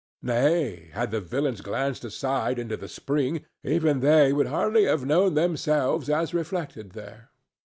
Nay, had the villains glanced aside into the spring, even they would hardly have known themselves as reflected there.